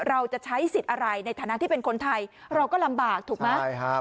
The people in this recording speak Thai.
เราจะใช้สิทธิ์อะไรในฐานะที่เป็นคนไทยเราก็ลำบากถูกไหมใช่ครับ